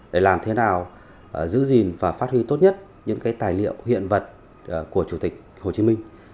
để làm thế nào giữ gìn và phát huy tốt nhất những tài liệu hiện vật của chủ tịch hồ chí minh